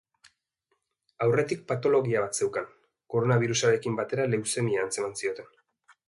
Aurretik patologia bat zeukan, koronabirusarekin batera leuzemia antzeman zioten.